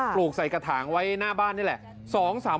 ลูกใส่กระถางไว้หน้าบ้านนี่แหละ